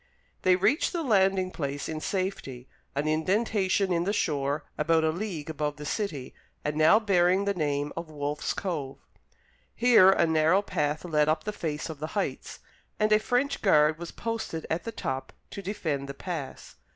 They reached the landing place in safety, an indentation in the shore about a league above the city and now bearing the name of Wolfe's Cove. Here a narrow path led up the face of the heights, and a French guard was posted at the top to defend the pass.